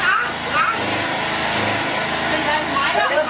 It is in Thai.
อันดับที่สุดท้ายก็จะเป็น